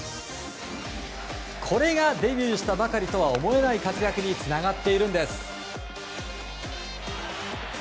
これがデビューしたばかりとは思えない活躍につながっているんです。